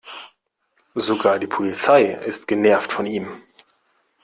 Sogar die Polizei ist genervt von ihm.